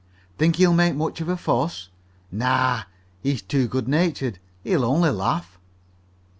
"Think he'll make much of a fuss?" "Naw. He's too good natured. He'll only laugh."